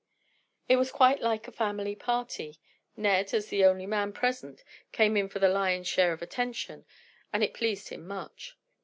It was quite like a family party. Ned, as the only man present, came in for the lion's share of attention and it pleased him much.